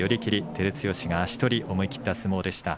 照強足取り、思い切った相撲でした。